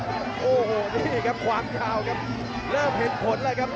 โอ้โหนี่ครับความยาวครับเริ่มเห็นผลเลยครับ